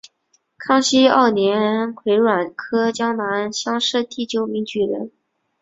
康熙二年癸卯科江南乡试第九名举人。